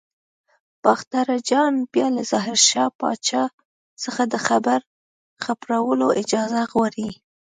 باختر اجان بیا له ظاهر شاه پاچا څخه د خبر خپرولو اجازه غواړي.